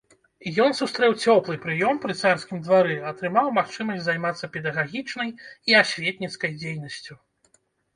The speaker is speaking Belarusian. Ён сустрэў цёплы прыём пры царскім двары, атрымаў магчымасць займацца педагагічнай і асветніцкай дзейнасцю.